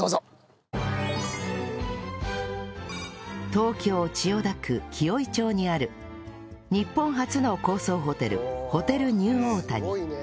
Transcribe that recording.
東京千代田区紀尾井町にある日本初の高層ホテルホテルニューオータニ